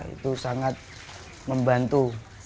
itu sangat membantu